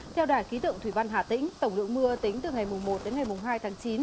theo đài khí tượng thủy văn hà tĩnh tổng lượng mưa tính từ ngày một đến ngày hai tháng chín